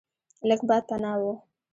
لږ باد پناه و.